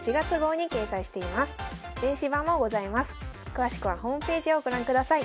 詳しくはホームページをご覧ください。